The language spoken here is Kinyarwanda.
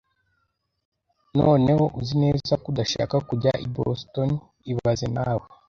Noneho, uzi neza ko udashaka kujya i Boston ibaze nawe